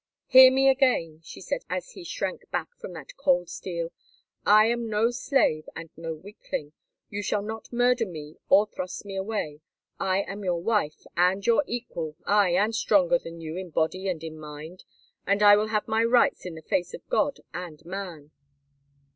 "Hear me again," she said as he shrank back from that cold steel. "I am no slave and no weakling; you shall not murder me or thrust me away. I am your wife and your equal, aye, and stronger than you in body and in mind, and I will have my rights in the face of God and man."